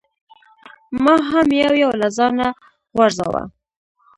ما هم یو یو له ځانه غورځاوه.